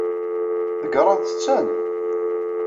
Ḍeggṛent-ten?